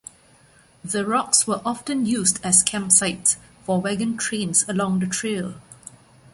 The rocks were often used as campsite for wagon trains along the trail.